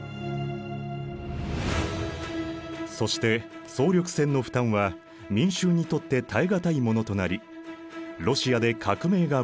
そして総力戦の負担は民衆にとって耐え難いものとなりロシアで革命が勃発。